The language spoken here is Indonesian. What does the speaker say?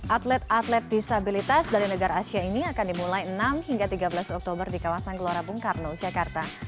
atlet atlet disabilitas dari negara asia ini akan dimulai enam hingga tiga belas oktober di kawasan gelora bung karno jakarta